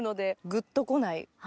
グッとこない。